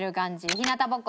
日なたぼっこ